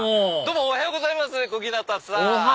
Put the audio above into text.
おはようございます小日向さん。